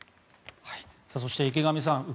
そして、池上さん